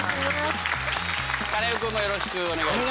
カネオくんもよろしくお願いします。